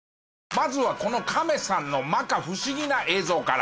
まずはこのカメさんの摩訶不思議な映像から。